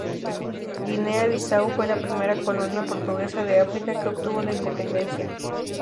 Guinea-Bisáu fue la primera colonia portuguesa de África que obtuvo la independencia.